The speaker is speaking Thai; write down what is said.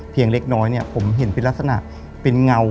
เพียงเล็กน้อยผมเห็นเป็นลักษณะเป็นเงา